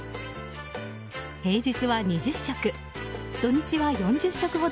平日は２０食土日は４０食ほど